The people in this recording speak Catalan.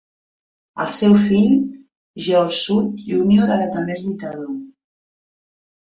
El seu fill, George South Junior, ara també és lluitador.